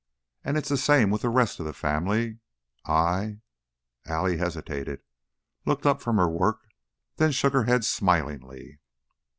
And it's the same with the rest of the family. I " Allie hesitated, looked up from her work, then shook her head smilingly.